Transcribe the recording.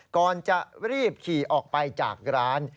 ก่อนจะรีบขี่ออกไปจากร้าน